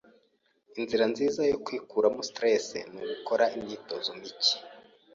Inzira nziza yo kwikuramo stress ni ugukora imyitozo mike.